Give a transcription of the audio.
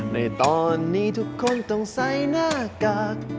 ในตอนนี้ทุกคนต้องใส่หน้ากาก